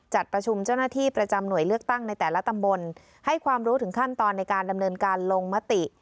จัดประชุมเจ้าหน้าที่ประจำหน่วยเลือกตั้งในแต่ละตำบลให้ความรู้ถึงขั้นตอนในการดำเนินการลงมติ